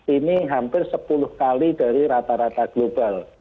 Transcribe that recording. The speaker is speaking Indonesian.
ini hampir sepuluh kali dari rata rata global